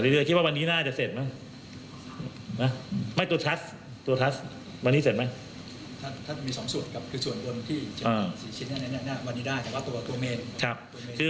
ก็่นความเข็มขึ้นไปไปกัน